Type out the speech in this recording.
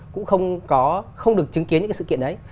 cũng không có không được chứng kiến những cái sự kiện đấy